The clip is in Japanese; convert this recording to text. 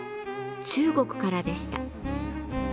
中国からでした。